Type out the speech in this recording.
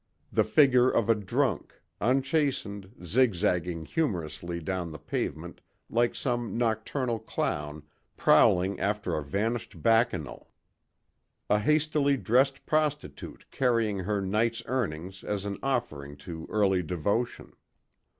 The figure of a drunk, unchastened, zigzagging humorously down the pavement like some nocturnal clown prowling after a vanished Bacchanal. A hastily dressed prostitute carrying her night's earnings as an offering to early devotion.